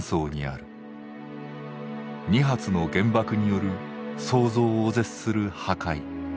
２発の原爆による想像を絶する破壊。